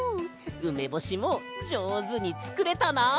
ウメボシもじょうずにつくれたな！